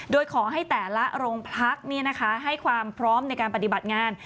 โดยขอให้แต่ละโรงพักให้ความพร้อมในการปฏิบัติงาน